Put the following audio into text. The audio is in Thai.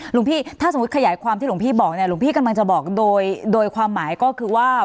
หลวงพี่ถ้าสมมุติขยายความที่หลวงพี่บอกเนี่ยหลวงพี่กำลังจะบอกโดยความหมายก็คือว่า